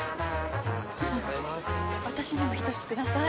私にも１つください。